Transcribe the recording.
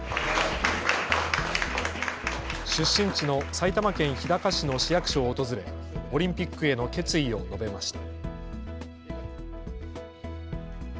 出身地の埼玉県日高市の市役所を訪れ、オリンピックへの決意を述べました。